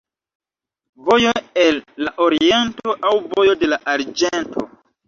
Vojo el la Oriento aŭ vojo de la arĝento.